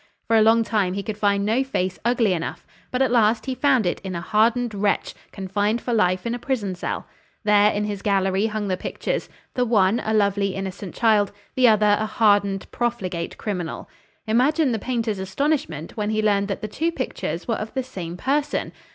For a long time he could find no face ugly enough, but at last he found it in a hardened wretch confined for life in a prison cell. There in his gallery hung the pictures; the one a lovely innocent child, the other a hardened, profligate criminal. Imagine the painter's astonishment when he learned that the two pictures were of the same person.